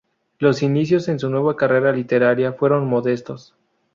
Los inicios en su nueva carrera literaria fueron modestos.